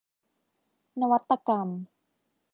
นวัตกรรม